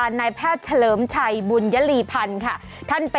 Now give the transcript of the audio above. สวัสดีคุณชิสานะฮะสวัสดีคุณชิสานะฮะ